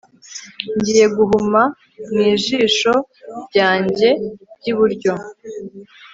Ngiye guhuma mu jisho ryanjye ryiburyo